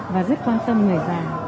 và rất quan tâm người già